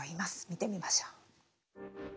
見てみましょう。